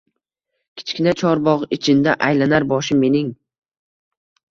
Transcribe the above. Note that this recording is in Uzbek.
Kichkina chorbogʼ ichinda aylanar boshim mening